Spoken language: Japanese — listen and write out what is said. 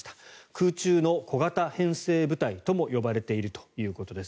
空中の小型編成部隊とも呼ばれているということです。